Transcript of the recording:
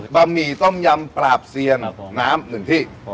ะหมี่ต้มยำปราบเซียนน้ำหนึ่งที่